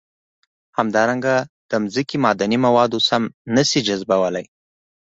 همدارنګه د ځمکې معدني مواد سم نه شي جذبولی.